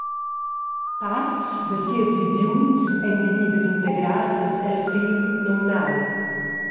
Parts da sias visiuns ein vegnidas integradas el film numnau.